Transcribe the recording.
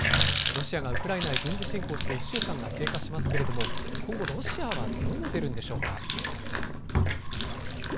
ロシアがウクライナへ軍事侵攻して１週間が経過しますけれども、今後、ロシアはどう出るんでしょうか。